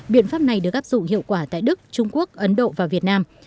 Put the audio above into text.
biện pháp này được áp dụng hiệu quả tại đức trung quốc ấn độ và việt nam